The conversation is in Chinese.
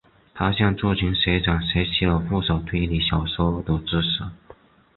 他向这群学长学习了不少推理小说的知识。